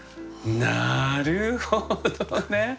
なるほどね。